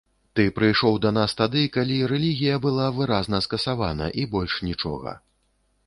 Ты прыйшоў да нас тады, калі рэлігія была выразна скасавана і больш нічога.